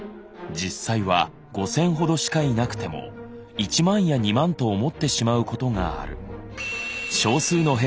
実際は５，０００ほどしかいなくても１万や２万と思ってしまうことがある。